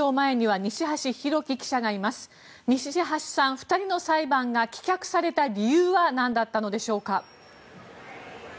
西橋さん、２人の裁判が棄却された理由はなんだったのでしょうか。